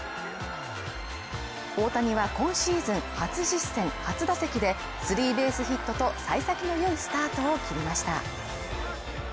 大谷は今シーズン初実戦初打席でスリーベースヒットと幸先の良いスタートを切りました。